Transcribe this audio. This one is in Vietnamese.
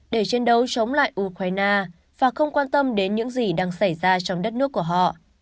để chiến đấu chống lại ukraine và không quan tâm đến những gì đang xảy ra trong đất nước của họ